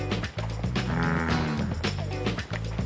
うん